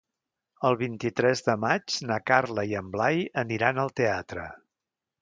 El vint-i-tres de maig na Carla i en Blai aniran al teatre.